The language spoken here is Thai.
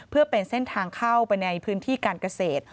เพื่อเป็นเส้นทางเข้าไปในพื้นที่การเกษตร